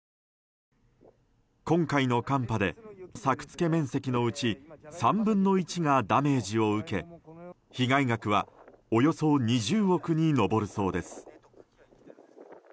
今回の寒波で作付面積のうち３分の１がダメージを受け被害額はおよそ２０億に上るそうです。